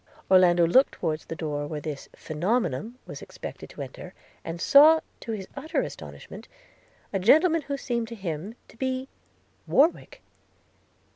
– Orlando looked towards the door where this phænomenon was expected to enter, and saw, to his utter astonishment, a gentleman who seemed to him to be – Warwick.